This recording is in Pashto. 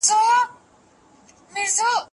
ولې په تېر وخت کي فکري تنوع حرامه ګڼل کېده؟